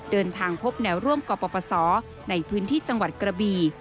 เดินทางพบแนวร่วมกรปศในพื้นที่จังหวัดกระบี